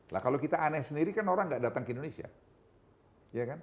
nah kalau kita aneh sendiri kan orang gak datang ke indonesia iya kan